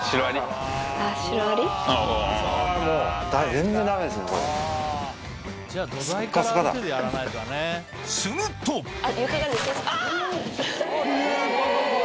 全然ダメですねこれ。すると！え！